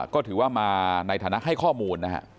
ก็ถือว่ามาในฐานะให้ข้อมูลนะฮะ